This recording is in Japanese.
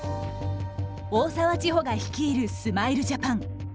大澤ちほが率いるスマイルジャパン。